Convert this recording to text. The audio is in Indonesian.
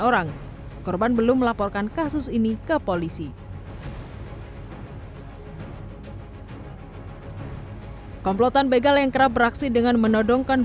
orang korban belum melaporkan kasus ini ke polisi komplotan begal yang kerap beraksi dengan menodongkan